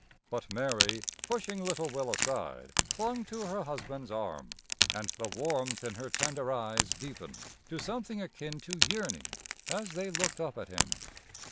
But Mary, pushing little Will aside clung to her husband's arm, and the warmth in her tender eyes deepened to something akin to yearning as they looked up at him.